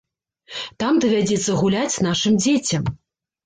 Там давядзецца гуляць нашым дзецям.